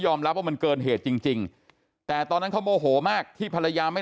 รับว่ามันเกินเหตุจริงแต่ตอนนั้นเขาโมโหมากที่ภรรยาไม่